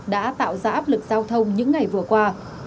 đã tạo ra áp lực giao thông những ngày vừa qua